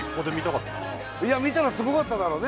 いや見たらすごかっただろうね。